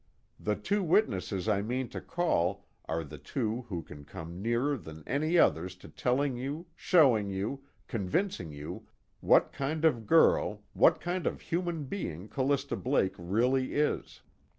The two witnesses I mean to call are the two who can come nearer than any others to telling you, showing you, convincing you, what kind of girl, what kind of human being Callista Blake really is.